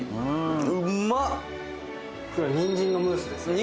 それはにんじんのムースですね